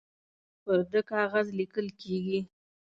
پر ده کاغذ لیکل کیږي